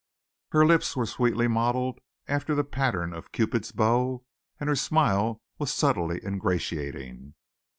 Her lips were sweetly modelled after the pattern of a Cupid's bow and her smile was subtly ingratiating.